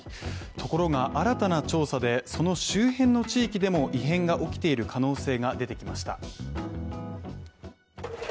ところが、新たな調査で、その周辺の地域でも異変が起きている可能性が出てきました